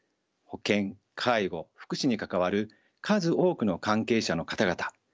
保健介護福祉に関わる数多くの関係者の方々